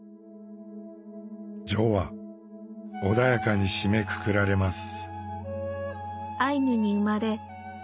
「序」は穏やかに締めくくられます。